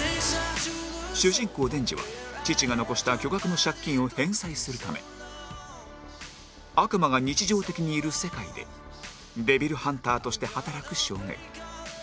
主人公デンジは父が残した巨額の借金を返済するため悪魔が日常的にいる世界でデビルハンターとして働く少年